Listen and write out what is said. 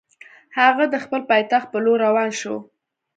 هغه د خپل پایتخت پر لور روان شو.